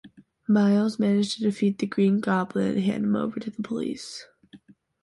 Miles managed to defeat the Green Goblin and hand him over to the police.